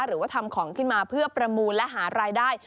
หรือว่าทำของขึ้นมาเพื่อประมูลและหารายได้